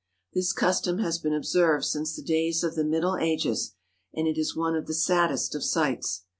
This custom has been observed since the days of the Middle Ages and it is one of the saddest of sights.